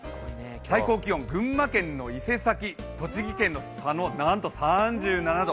最高気温、群馬県の伊勢崎栃木県の佐野、なんと３７度。